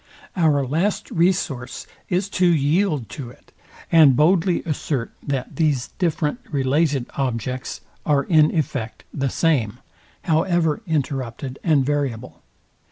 Our last resource is to yield to it, and boldly assert that these different related objects are in effect the same, however interrupted and variable.